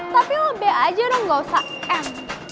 tapi lo b aja dong gausah m